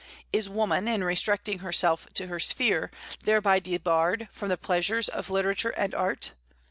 Is woman, in restricting herself to her sphere, thereby debarred from the pleasures of literature and art?